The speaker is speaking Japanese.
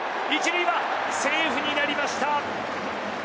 １塁、セーフになりました！